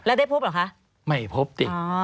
แล้วได้พบหรือคะไม่พบดิอ๋อ